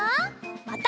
また。